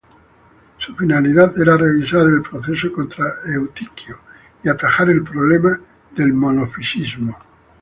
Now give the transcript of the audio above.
Su finalidad era revisar el proceso contra Eutiquio, y atajar el problema del monofisismo.